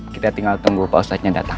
kita tinggal tunggu pak ustadznya datang